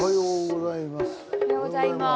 おはようございます。